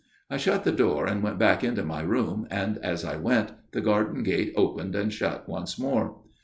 " I shut the door and went back into my room, and as I went, the garden gate opened and shut once more.